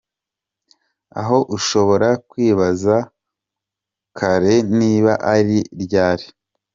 Aha ushobora kwibaza “kare” niba ari ryari.